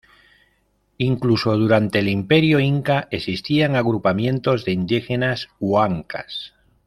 Incluso durante el Imperio inca existían agrupamientos de indígenas huancas.